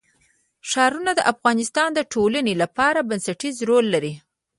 ښارونه د افغانستان د ټولنې لپاره بنسټيز رول لري.